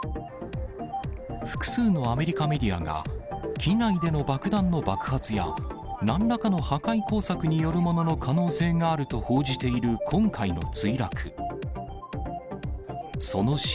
複数のアメリカメディアが機内での爆弾の爆発や、なんらかの破壊工作によるものの可能性があると報じている今回の墜落。